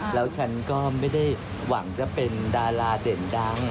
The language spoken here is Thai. แล้วฉันก็ไม่ได้หวังจะเป็นดาราเด่นดัง